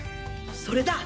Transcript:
それだ！